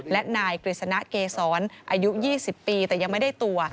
และนายกฤษณะเกษรอายุ๒๐ปีแต่ยังไม่ได้ตัว